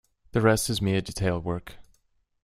The rest is mere detail work.